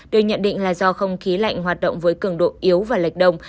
được nhận định là do không khí lạnh hoạt động với cường độ yếu và lệch đông